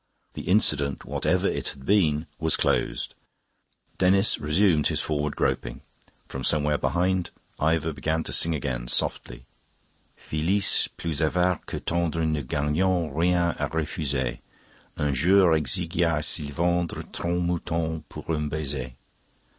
The incident, whatever it had been, was closed. Denis resumed his forward groping. From somewhere behind Ivor began to sing again, softly: "Phillis plus avare que tendre Ne gagnant rien à refuser, Un jour exigea à Silvandre Trente moutons pour un baiser."